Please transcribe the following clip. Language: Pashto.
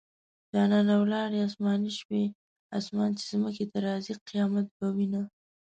جانانه ولاړې اسماني شوې - اسمان چې ځمکې ته راځي؛ قيامت به وينه